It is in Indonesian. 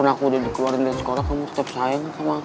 aku udah dikeluarin dari sekolah kamu setiap sayang sama aku